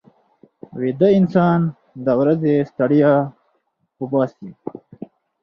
ویده انسان د ورځې ستړیا وباسي